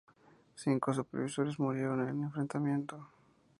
Cinco supervisores murieron en el enfrentamiento.